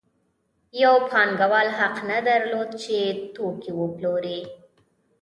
یو پانګوال حق نه درلود چې توکي وپلوري